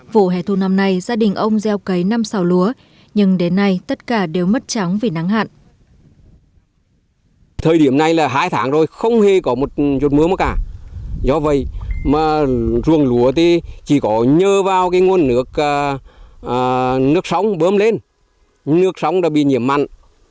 vụ hẻ thu năm nay gia đình ông gieo cấy năm xào lúa nhưng đến nay tất cả đều mất trắng vì nắng hạn